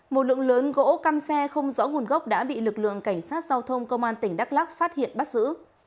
một lượng lớn gỗ cam xe không rõ nguồn gốc đã bị lực lượng cảnh sát giao thông công an tỉnh đắk lắc phát hiện bắt giữ